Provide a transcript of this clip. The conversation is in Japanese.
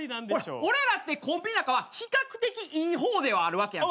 俺らってコンビ仲は比較的いい方ではあるわけやんか。